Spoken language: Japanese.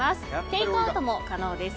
テイクアウトも可能です。